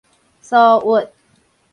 蘇鬱